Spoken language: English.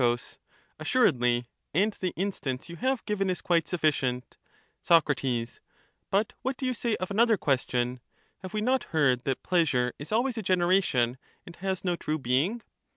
Gener ation is relative to Pro, Assuredly ; and the instance you have given is quite sufficient Soc, But what do you say of another question :— have we not heard that pleasure is always a generation, and has no true being?